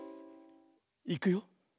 いくよ。